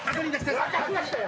分かりましたよ。